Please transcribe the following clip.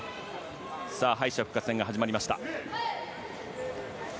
さあ、敗者復活戦が始まりました。